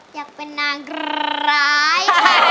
อยากเป็นนางร้าย